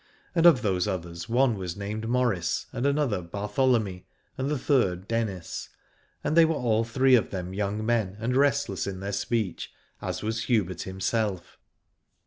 And of those others one was named Maurice and another Bar tholomy and the third Dennis, and they were all the three of them young men and restless in their speech as was Hubert him 109 Aladore self.